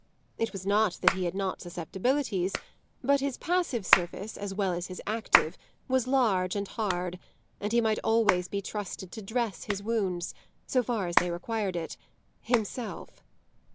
It was not that he had not susceptibilities, but his passive surface, as well as his active, was large and hard, and he might always be trusted to dress his wounds, so far as they required it, himself.